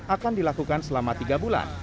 akan dilakukan selama tiga bulan